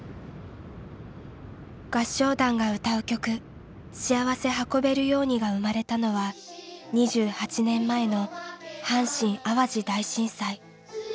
合唱団が歌う曲「しあわせ運べるように」が生まれたのは２８年前の阪神・淡路大震災。